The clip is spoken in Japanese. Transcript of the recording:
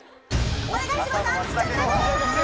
お願いします。